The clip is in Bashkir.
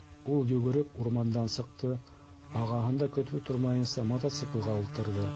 Ул йүгереп урмандан сыҡты, ағаһын да көтөп тормайынса мотоциклға ултырҙы.